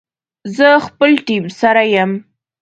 زه خپل ټیم سره یم